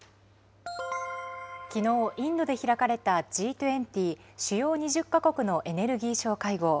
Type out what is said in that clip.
きのう、インドで開かれたＧ２０・主要２０か国のエネルギー相会合。